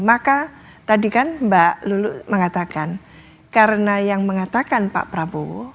maka tadi kan mbak lulu mengatakan karena yang mengatakan pak prabowo